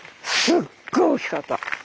すっごい大きかった。